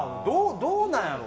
どうなんやろう。